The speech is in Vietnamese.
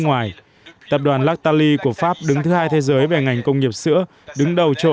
ngoài tập đoàn lactali của pháp đứng thứ hai thế giới về ngành công nghiệp sữa đứng đầu châu